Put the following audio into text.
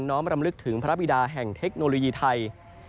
้อมรำลึกถึงพระบิดาแห่งเทคโนโลยีไทย